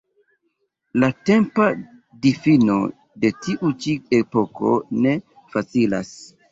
La tempa difino de tiu-ĉi epoko ne facilas.